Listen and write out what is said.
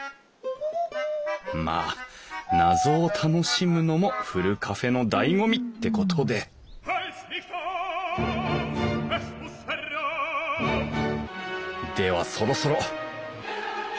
まあ謎を楽しむのもふるカフェのだいご味ってことでではそろそろ。